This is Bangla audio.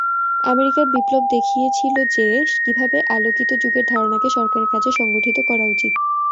আমেরিকান বিপ্লব দেখিয়েছিল যে, কীভাবে আলোকিত যুগের ধারণাকে সরকারের কাজে সংগঠিত করা উচিত।